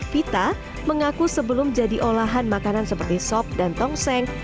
vita mengaku sebelum jadi olahan makanan seperti sop dan tongseng